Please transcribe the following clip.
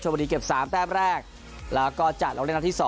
บุรีเก็บ๓แต้มแรกแล้วก็จะลงเล่นนัดที่๒